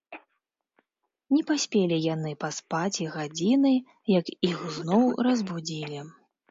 Не паспелі яны паспаць і гадзіны, як іх зноў разбудзілі.